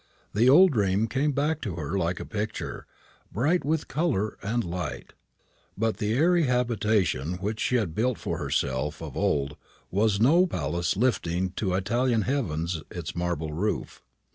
The old dream came back to her like a picture, bright with colour and light. But the airy habitation which she had built for herself of old was no "palace lifting to Italian heavens its marble roof."